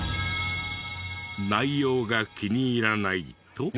内容が気に入らないと。